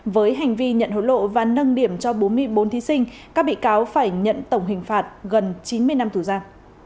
với hành vi nhận hối lộ và nâng điểm cho bốn mươi bốn thí sinh các bị cáo phải nhận tổng hình phạt gần chín mươi năm tù giam